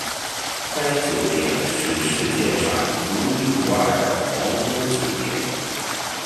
该酒店是世界上独一无二的皇宫酒店。